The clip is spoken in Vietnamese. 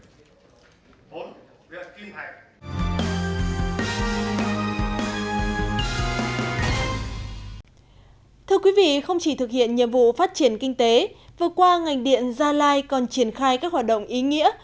thưa quý vị không chỉ thực hiện nhiệm vụ phát triển kinh tế vừa qua ngành điện gia lai còn triển khai các hoạt động ý nghĩa